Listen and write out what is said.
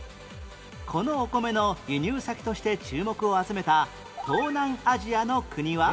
このお米の輸入先として注目を集めた東南アジアの国は？